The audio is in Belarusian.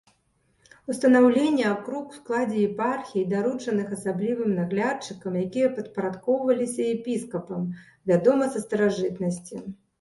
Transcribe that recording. Устанаўленне акруг у складзе епархіі, даручаных асаблівым наглядчыкам, якія падпарадкоўваліся епіскапам, вядома са старажытнасці.